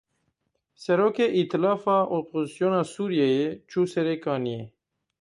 Serokê îtilafa Opozisyona Sûriyeyê çû Serê Kaniyê.